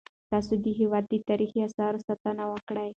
تاسو د هیواد د تاریخي اثارو ساتنه وکړئ.